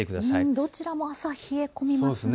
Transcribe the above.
どちらも冷え込みますね。